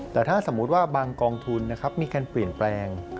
แต่ถ้าสมมุติว่าบางกองทุนนะครับมีการเปลี่ยนแปลง